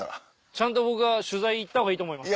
ちゃんと僕が取材行った方がいいと思います。